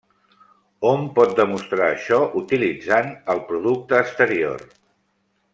Hom pot demostrar això utilitzant el producte exterior.